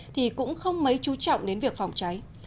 thì cũng không mấy chú trọng đến việc phòng cháy